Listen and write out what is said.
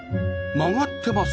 曲がってます